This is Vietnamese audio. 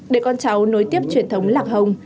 để con cháu nối tiếp truyền thống lạc hồng